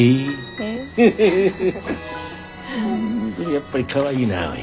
やっぱりかわいいなおい。